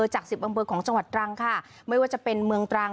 จากสิบอำเภอของจังหวัดตรังค่ะไม่ว่าจะเป็นเมืองตรัง